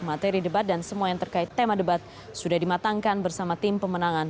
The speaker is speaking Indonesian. materi debat dan semua yang terkait tema debat sudah dimatangkan bersama tim pemenangan